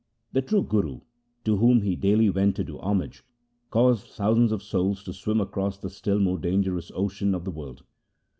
The true Guru, to whom he daily went to do homage, caused thousands of souls to swim across the still more dangerous ocean of the world.